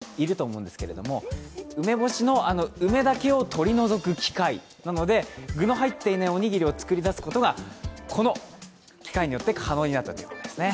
例えば梅干しが苦手な方いると思うんですけど、梅干しの梅だけを取り除く機械なので、具の入っていないおにぎりを作り出すことがこの機械によって、可能になるということですね。